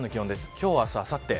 今日、明日、あさって。